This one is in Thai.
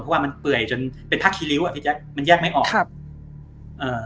เพราะว่ามันเปื่อยจนเป็นผ้าคีริ้วอ่ะพี่แจ๊คมันแยกไม่ออกครับเอ่อ